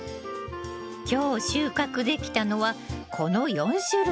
今日収穫できたのはこの４種類。